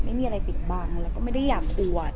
ไม่มีอะไรปิดบังแล้วก็ไม่ได้อยากอวด